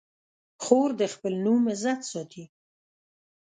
خور د خپل نوم عزت ساتي.